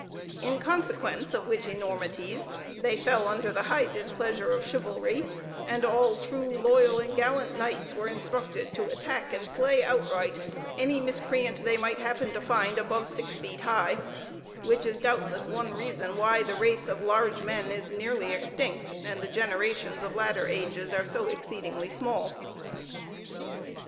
In consequence of which enormities they fell under the high displeasure of chivalry, and all true, loyal, and gallant knights were instructed to attack and slay outright any miscreant they might happen to find above six feet high; which is doubtless one reason why the race of large men is nearly extinct, and the generations of latter ages are so exceedingly small.